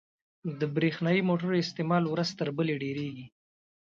• د برېښنايي موټرو استعمال ورځ تر بلې ډېرېږي.